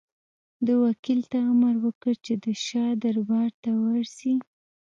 ده وکیل ته امر وکړ چې د شاه دربار ته ورسي.